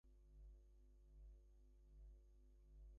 It keeps things up to date